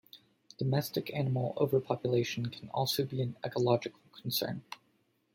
Domestic animal overpopulation can also be an ecological concern.